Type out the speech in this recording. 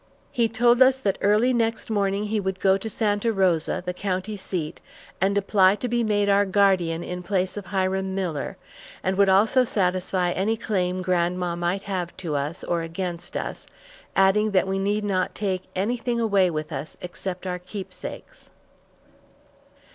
He also told us that early next morning he would go to Santa Rosa, the county seat, and apply to be made our guardian in place of Hiram Miller, and would also satisfy any claim grandma might have to us, or against us, adding that we need not take anything away with us, except our keepsakes.